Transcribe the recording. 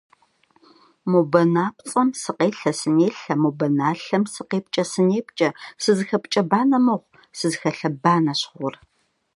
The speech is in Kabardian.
Мо банапцӏэм сыкъелъэ-сынелъэ, мо баналъэм сыкъепкӏэ-сынепкӏэ, сызыхэпкӏэ банэ мыгъу, сызыхэлъэ банэщ гъур.